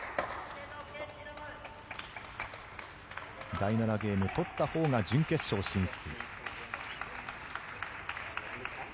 第７ゲーム取ったほうが準決勝進出。